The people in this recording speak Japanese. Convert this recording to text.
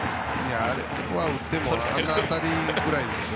あれは打ってもあんな当たりぐらいですよ。